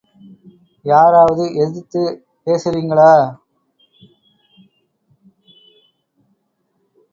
யாராவது எதிர்த்துப் பேசுறிங்களா?